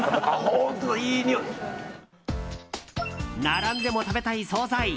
並んでも食べたい総菜！